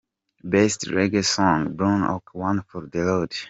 Best Reggae Song Bruno K – One For The Road.